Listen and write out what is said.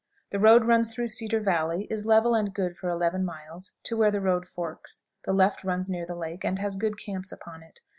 The road runs through Cedar Valley; is level and good for 11 miles, to where the road forks. The left runs near the lake, and has good camps upon it.